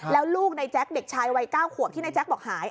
แล้วลูกในแจ๊คเด็กชายวัย๙ขวบที่นายแจ๊คบอกหาย